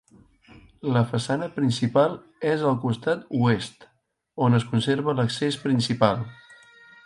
La façana principal és al costat oest, on es conserva l'accés principal.